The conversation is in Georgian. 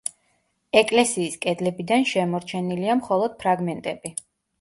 ეკლესიის კედლებიდან შემორჩენილია მხოლოდ ფრაგმენტები.